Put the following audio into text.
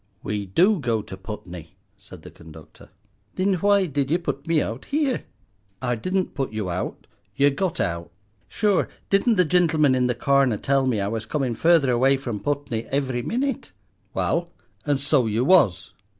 "We do go to Putney," said the conductor. "Thin why did ye put me out here?" "I didn't put you out, yer got out." "Shure, didn't the gintleman in the corner tell me I was comin' further away from Putney ivery minit?" "Wal, and so yer was."